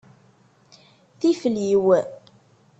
Tifliw.